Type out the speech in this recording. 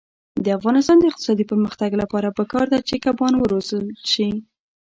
د افغانستان د اقتصادي پرمختګ لپاره پکار ده چې کبان وروزلت شي.